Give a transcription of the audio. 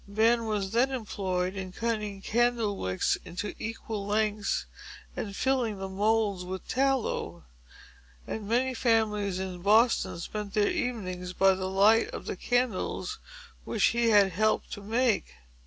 Ben was then employed in cutting candlewicks into equal lengths, and filling the moulds with tallow; and many families in Boston spent their evenings by the light of the candles which he had helped to make.